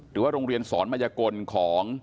หรือว่าโรงเรียนสอนมายกลของ